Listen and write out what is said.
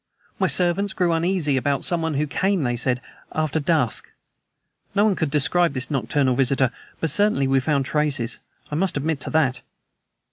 My servants grew uneasy about someone who came, they said, after dusk. No one could describe this nocturnal visitor, but certainly we found traces. I must admit that.